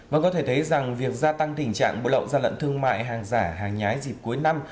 và có thể thấy rằng việc gia tăng tình trạng bộ lậu gian lận thương mại hàng giả hàng nhái dịp cuối năm